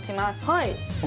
はい。